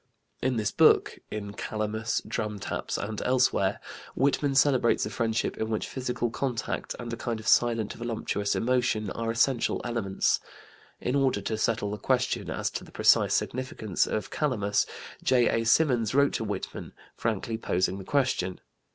In this book in "Calamus," "Drumtaps," and elsewhere Whitman celebrates a friendship in which physical contact and a kind of silent voluptuous emotion are essential elements. In order to settle the question as to the precise significance of "Calamus," J.A. Symonds wrote to Whitman, frankly posing the question.